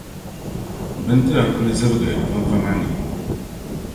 bindira kul zibigi vinvama ni.